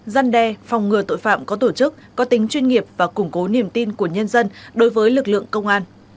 giăn đe phòng ngừa tội phạm có tổ chức có tính chuyên nghiệp và củng cố niềm tin của nhân dân đối với lực lượng công an